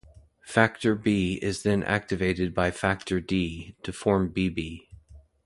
Factor B is then activated by factor D, to form Bb.